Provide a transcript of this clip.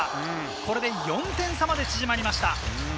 これで４点差まで縮まりました。